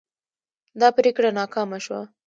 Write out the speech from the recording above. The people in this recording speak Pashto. دا پریکړه ناکامه شوه.